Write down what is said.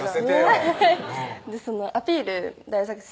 はいアピール大作戦